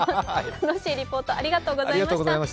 楽しいリポート、ありがとうございました。